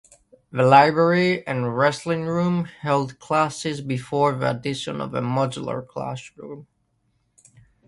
The library and wrestling room held classes before the addition of the modular classroom.